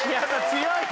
強い。